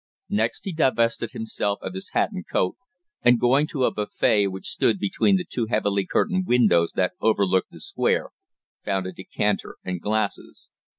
Next he divested himself of his hat and coat, and going to a buffet which stood between the two heavily curtained windows that overlooked the Square, found a decanter and glasses.